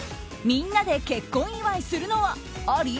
みんなで結婚祝いするのはあり？